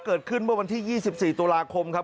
เกิดขึ้นเมื่อวันที่๒๔ตุลาคมครับ